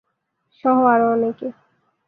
সহ আরো অনেকে।